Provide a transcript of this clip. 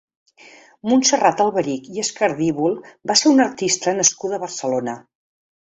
Montserrat Alberich i Escardívol va ser una artista nascuda a Barcelona.